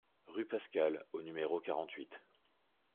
Rue Pascal au numéro quarante-huit